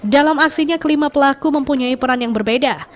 dalam aksinya kelima pelaku mempunyai peran yang berbeda